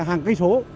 hàng cây số